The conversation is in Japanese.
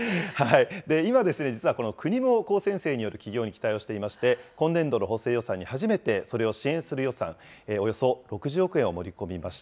今、実は国も高専生による起業に期待をしていまして、今年度の補正予算に初めてそれを支援する予算、およそ６０億円を盛り込みました。